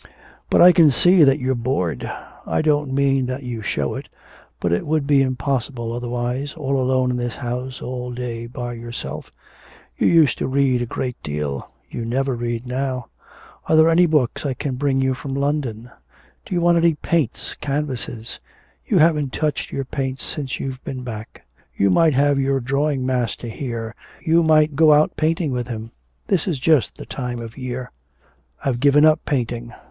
'But I can see that you're bored. I don't mean that you show it. But it would be impossible otherwise, all alone in this house all day by yourself. You used to read a great deal. You never read now. Are there any books I can bring you from London? Do you want any paints, canvases? You haven't touched your paints since you've been back. You might have your drawing master here, you might go out painting with him. This is just the time of year.' 'I've given up painting.